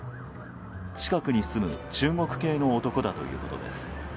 近くに住む中国系の男だということです。